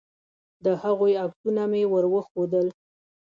د هغوی عکسونه مې ور وښودل.